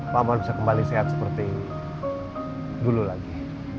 pak amar bisa kembali sehat seperti dulu lagi